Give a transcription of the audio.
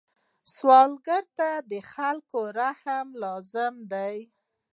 سوالګر ته د خلکو رحم لازمي دی